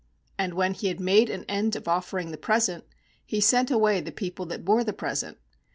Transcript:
18And when he had made an end of offering the present, he sent away the people that bore the present.